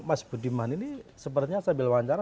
mas budiman ini sepertinya sambil wawancara